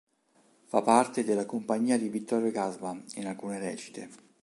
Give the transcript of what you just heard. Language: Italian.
Fa parte della Compagnia di Vittorio Gassman, in alcune recite.